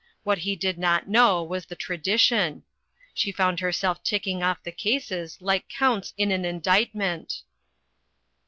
What he did not know was the tra dition. She found herself ticking off the cases like counts in an indictment.